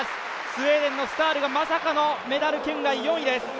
スウェーデンのスタールがまさかのメダル圏外４位です。